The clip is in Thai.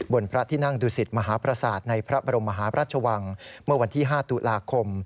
พระที่นั่งดูสิตมหาประสาทในพระบรมมหาพระราชวังเมื่อวันที่๕ตุลาคม